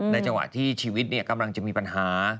จังหวะที่ชีวิตกำลังจะมีปัญหา